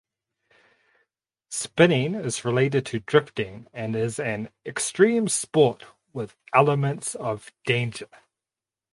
Spinning is related to drifting and is an extreme sport with elements of danger.